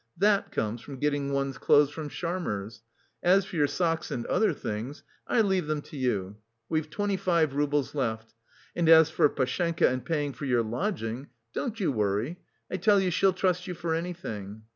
That comes from getting one's clothes from Sharmer's! As for your socks and other things, I leave them to you; we've twenty five roubles left. And as for Pashenka and paying for your lodging, don't you worry. I tell you she'll trust you for anything.